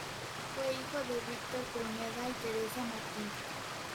Fue hijo de Víctor Pruneda y Teresa Martín.